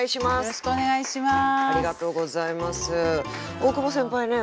大久保先輩ね